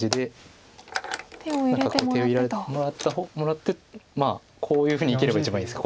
何か手を入れてもらってこういうふうにいければ一番いいです。